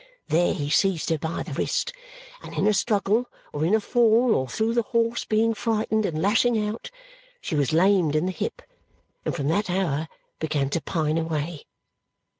There he seized her by the wrist, and in a struggle or in a fall or through the horse being frightened and lashing out, she was lamed in the hip and from that hour began to pine away."